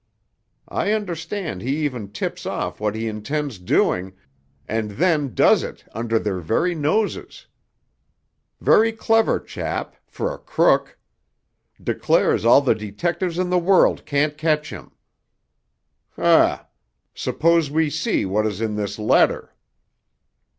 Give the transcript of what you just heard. I understand he even tips off what he intends doing, and then does it under their very noses. Very clever chap—for a crook! Declares all the detectives in the world can't catch him! Um! Suppose we see what is in this letter."